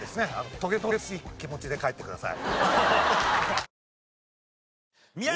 とげとげしい気持ちで帰ってください。